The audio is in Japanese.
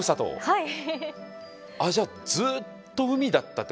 はい。